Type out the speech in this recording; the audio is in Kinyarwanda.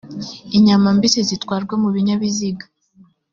inyama mbisi zitwarwa mu binyabiziga